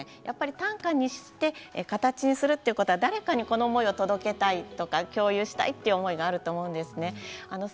短歌にするということは誰かにこの思いをお届けしたい共有したいという思いがあると思うんですね。